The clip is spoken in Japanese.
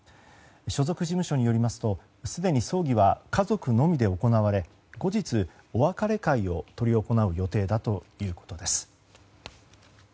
所属事務所によりますとすでに葬儀は家族のみで行われ後日、お別れ会を執り行う予定だということです。